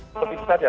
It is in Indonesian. seperti tadi ya